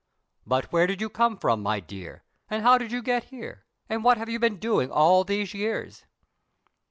"But where did you come from, my dear, and how did you get here, and what have you been doing all these years?"